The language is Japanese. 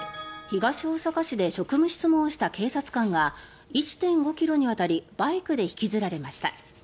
東大阪市で職務質問をした警察官が１．５ｋｍにわたりバイクで引きずられました。